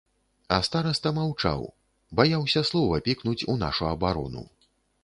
А стараста маўчаў, баяўся слова пікнуць у нашу абарону.